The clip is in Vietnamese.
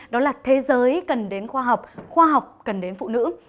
đó là thế giới cần đến khoa học khoa học cần đến phụ nữ